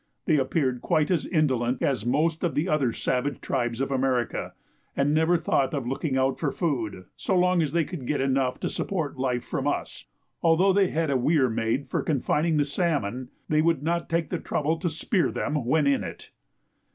They appeared quite as indolent as most of the other savage tribes of America, and never thought of looking out for food, so long as they could get enough to support life from us. Although they had a wear made for confining the salmon, they would not take the trouble to spear them when in it.